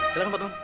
silahkan pak temon